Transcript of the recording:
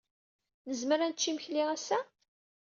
Nezmer ad nečč imekli ass-a?